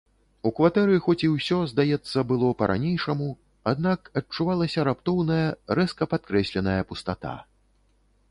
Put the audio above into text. У кватэры хоць і ўсё, здаецца, было па-ранейшаму, аднак адчувалася раптоўная, рэзка падкрэсленая пустата.